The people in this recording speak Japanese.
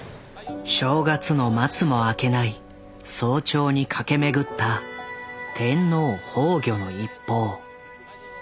正月の松も明けない早朝に駆け巡った「天皇崩御」の一報。